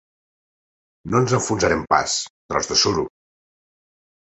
No ens enfonsarem pas, tros de suro!